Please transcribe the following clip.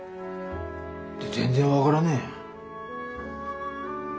全然分からねえ。